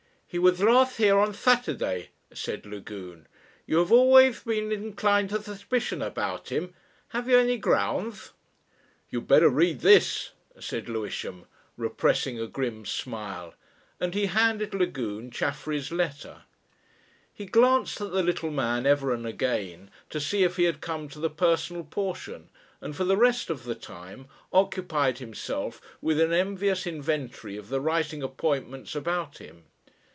"He was last here on Saturday," said Lagune. "You have always been inclined to suspicion about him. Have you any grounds?" "You'd better read this," said Lewisham, repressing a grim smile, and he handed Lagune Chaffery's letter. He glanced at the little man ever and again to see if he had come to the personal portion, and for the rest of the time occupied himself with an envious inventory of the writing appointments about him.